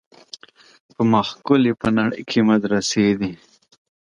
په ما ښکلي په نړۍ کي مدرسې دي